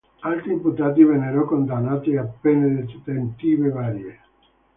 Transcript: Altri imputati vennero condannati a pene detentive varie.